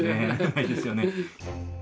ないですよね。